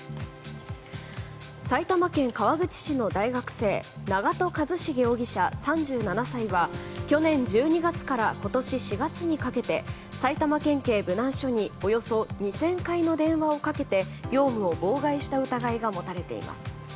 埼玉県川口市の大学生長門和成容疑者、３７歳は去年１２月から今年４月にかけて埼玉県警武南署におよそ２０００回の電話をかけて業務を妨害した疑いが持たれています。